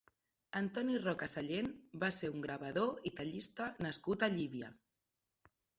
Antoni Roca Sallent va ser un gravador i tallista nascut a Llívia.